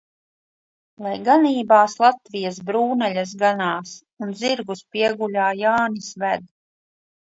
Lai ganībās Latvijas brūnaļas ganās un zirgus pieguļā Jānis ved.